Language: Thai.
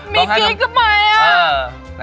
มีกิ๊กที่ไหมอ่ะ